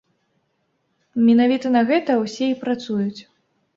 Менавіта на гэта ўсе і працуюць.